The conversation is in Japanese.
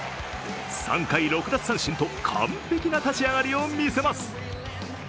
３回６奪三振と完璧な立ち上がりを見せます。